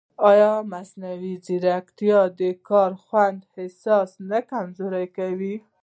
ایا مصنوعي ځیرکتیا د کاري خوند احساس نه کمزورې کوي؟